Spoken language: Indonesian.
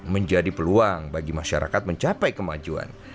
menjadi peluang bagi masyarakat mencapai kemajuan